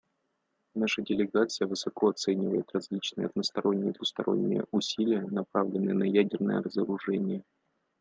Наша делегация высоко оценивает различные односторонние и двусторонние усилия, направленные на ядерное разоружение.